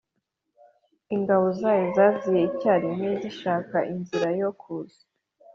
Ingabo zayo zaziye icyarimwe Zishaka inzira yo kuza